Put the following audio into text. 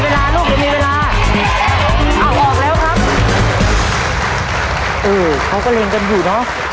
เข้าสารหนึ่งร้อยกิโลกรัมครับ